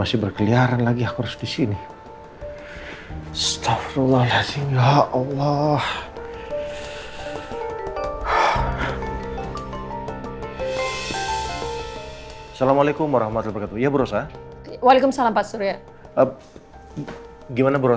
assalamualaikum warohmatullah ya bur login salam palestriniga keeping bingung